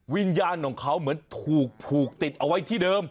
วิญญาณของเขาเหมือนถูกผูกติดเอาไว้ที่เดิม